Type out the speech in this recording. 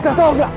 udah tau gak